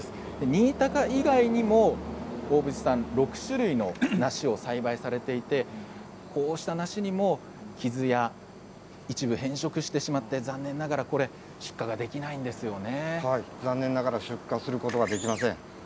新高以外にも大渕さんは６種類の梨を栽培されていてこうした梨にも傷や一部変色してしまって残念ながら残念ながら出荷することができません。